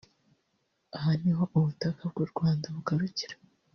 Aha ni ho ubutaka bw’u Rwanda bugarukira (Grande Barriere)